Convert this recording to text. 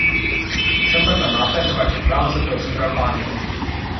Sâmbătă noaptea se va circulă însă pe o singură bandă.